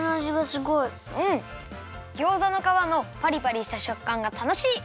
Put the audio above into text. ギョーザのかわのパリパリしたしょっかんがたのしい！